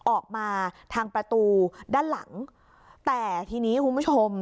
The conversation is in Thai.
ออกมาทางประตูด้านหลังแต่ทีนี้คุณผู้ชม